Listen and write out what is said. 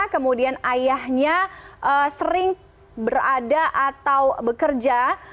kemudian ayahnya sering berada atau bekerja